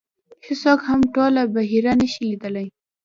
هېڅوک هم ټوله بحیره نه شي لیدلی .